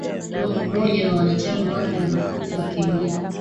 lo mmoja wa wanachama wake mwanafunzi wa kemia